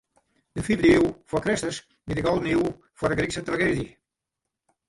De fiifde iuw foar Kristus wie de gouden iuw foar de Grykske trageedzje.